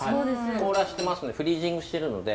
凍らせてますのでフリージングしてるので。